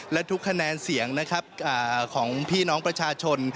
และทุกคะแนนเสียงนะครับของพี่น้องประชาชน